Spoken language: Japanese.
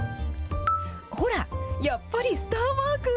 ほら、やっぱりスターマーク。